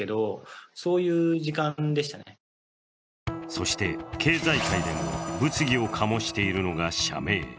そして経済界でも物議をかもしているのが社名。